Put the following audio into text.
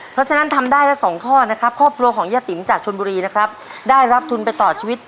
เพราะฉะนั้นทำได้แล้วสองข้อนะครับครอบครัวของย่าติ๋มจากชนบุรีนะครับได้รับทุนไปต่อชีวิต